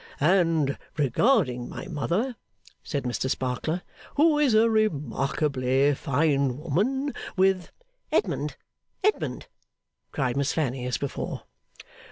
And regarding my mother,' said Mr Sparkler, 'who is a remarkably fine woman, with ' 'Edmund, Edmund!' cried Miss Fanny, as before.